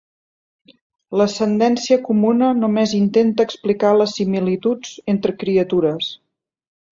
L'ascendència comuna només intenta explicar les "similituds" entre criatures.